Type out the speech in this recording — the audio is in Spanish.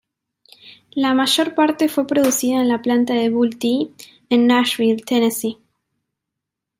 La mayor parte fue producida en la planta de Vultee en Nashville, Tennessee.